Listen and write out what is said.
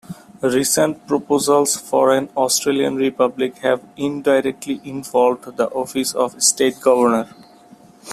Recent proposals for an Australian Republic have indirectly involved the office of state governor.